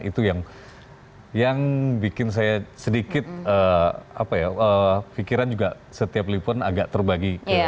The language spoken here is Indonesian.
itu yang bikin saya sedikit apa ya pikiran juga setiap lipon agak terbagi